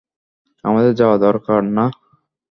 আমাদের যাওয়া দরকার, না?